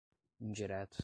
indireto